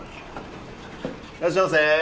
いらっしゃいませ。